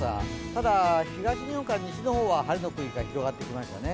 ただ、東日本から西の方は晴れの区域が広がってきましたね。